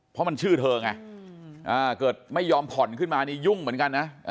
เพราะมันชื่อเธอไงเกิดไม่ยอมผ่อนขึ้นมานี่ยุ่งเหมือนกันนะ